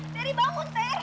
teri bangun ter